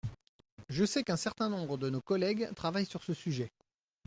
Je sais qu’un certain nombre de nos collègues travaillent sur ce sujet.